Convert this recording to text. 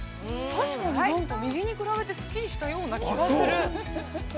◆確かになんか右に比べて、すっきりしたような気がする。